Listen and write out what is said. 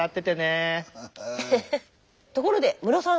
ところでムロさん。